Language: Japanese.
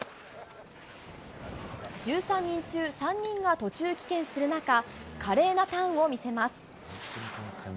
１３人中３人が途中棄権する中華麗なターンを見せます。